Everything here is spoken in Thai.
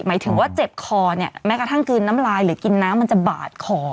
หมายถึงว่าเจ็บคอเนี่ยแม้กระทั่งกลืนน้ำลายหรือกินน้ำมันจะบาดคอ